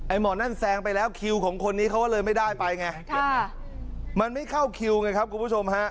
หมอนั่นแซงไปแล้วคิวของคนนี้เขาก็เลยไม่ได้ไปไงมันไม่เข้าคิวไงครับคุณผู้ชมฮะ